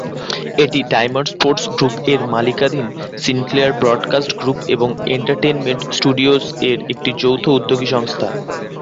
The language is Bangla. এটি ডায়মন্ড স্পোর্টস গ্রুপ এর মালিকানাধীন সিনক্লেয়ার ব্রডকাস্ট গ্রুপ এবং এন্টারটেনমেন্ট স্টুডিওস এর একটি যৌথ উদ্যোগী সংস্থা।